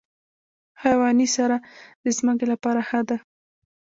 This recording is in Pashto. حیواني سره د ځمکې لپاره ښه ده.